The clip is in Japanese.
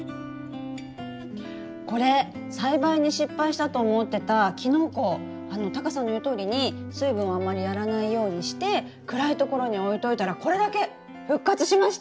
これ栽培に失敗したと思ってたキノコ！タカさんの言うとおりに水分をあんまりやらないようにして暗いところに置いといたらこれだけ復活しました！